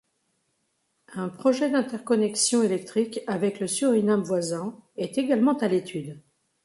Un projet d’interconnexion électrique avec le Suriname voisin est également à l’étude.